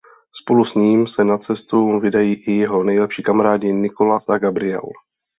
Spolu s ním se na cestu vydají i jeho nejlepší kamarádi Nicolas a Gabriel.